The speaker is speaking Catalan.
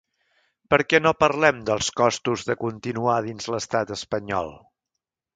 Per què no parlem dels costos de continuar dins l’estat espanyol?